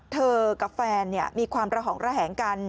เธอกับแฟนมีความระหองระแหงกัน